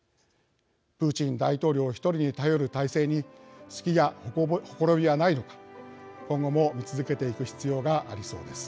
プーチン大統領１人に頼る体制に隙やほころびはないのか今後も見続けていく必要がありそうです。